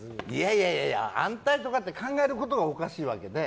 いやいや、安泰とかって考えることがおかしいわけで。